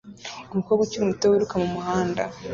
Umukobwa ukiri muto wiruka mumuhanda